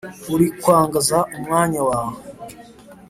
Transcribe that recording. Urikwangza umwanya wawe